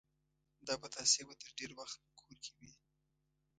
دا پتاسې به تر ډېر وخت په کور کې وې.